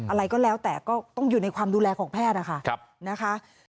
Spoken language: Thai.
อะไรก็แล้วแต่ก็ต้องอยู่ในความดูแลของแพทย์นะคะ